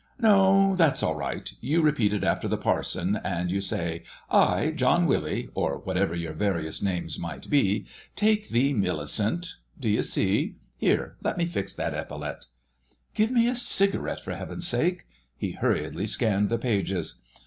"No—that's all right. You repeat it after the parson. And you say, 'I, John Willie,' or whatever your various names might be, 'take thee, Millicent'—d'you see? Here, let me fix that epaulette." "Give me a cigarette, for Heaven's sake." He hurriedly scanned the pages.